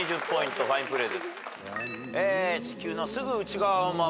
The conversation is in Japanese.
ファインプレーです。